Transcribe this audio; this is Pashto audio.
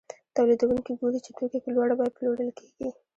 تولیدونکي ګوري چې توکي په لوړه بیه پلورل کېږي